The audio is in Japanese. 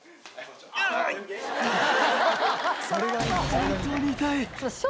本当に痛い。